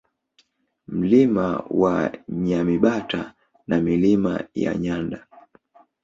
Mlima wa Nyamibata na Milima ya Nyanda